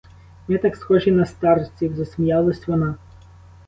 Ми так схожі на старців, — засміялась вона.